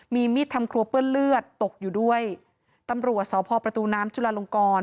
มีมีดทำครัวเปื้อนเลือดตกอยู่ด้วยตำรวจสพประตูน้ำจุลาลงกร